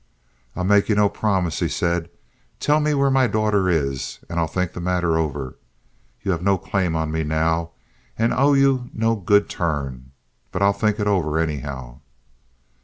"I'll make ye no promise," he said. "Tell me where my daughter is, and I'll think the matter over. Ye have no claim on me now, and I owe ye no good turn. But I'll think it over, anyhow."